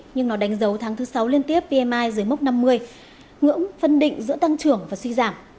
nhưng nó đánh dấu tháng thứ sáu liên tiếp pmi dưới mốc năm mươi ngưỡng phân định giữa tăng trưởng và suy giảm